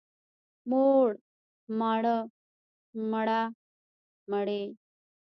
موړ، ماړه، مړه، مړې.